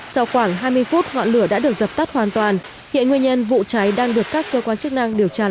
sau khoảng hai mươi phút ngọn lửa đã được dập tắt hoàn toàn hiện nguyên nhân vụ cháy đang được các cơ quan chức năng điều tra làm rõ